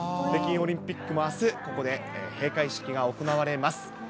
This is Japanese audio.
北京オリンピックもあす、ここで閉会式が行われます。